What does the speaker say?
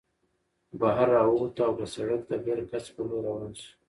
بهر راووتو او پۀ سړک د برکڅ په لور روان شو